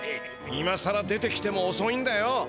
今さら出てきてもおそいんだよ。